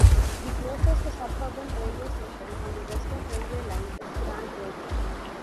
The closest suburban railway station on the Western Railway line is Grant Road.